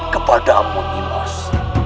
kepada amu nimas